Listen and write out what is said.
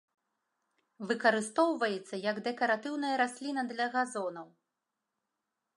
Выкарыстоўваецца як дэкаратыўная расліна для газонаў.